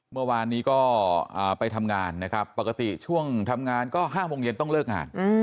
เมื่อวานนี้ก็ไปทำงานนะครับปกติช่วงทำงานก็๕โมงเย็นต้องเลิกงาน